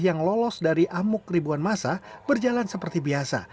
yang lolos dari amuk ribuan masa berjalan seperti biasa